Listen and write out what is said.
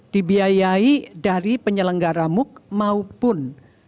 dibiayai dari penyelenggara muk maupun